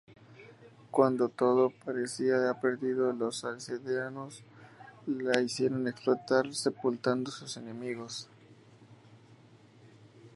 Cuando todo parecía ya perdido, los asediados la hicieron explotar sepultando a sus enemigos.